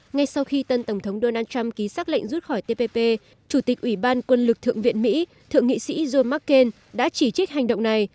ngay sau khi tân tổng thống donald trump ký xác lệnh rút khỏi tpp chủ tịch ủy ban quân lực thượng viện mỹ thượng nghị sĩ john mccain đã chỉ trích hành động này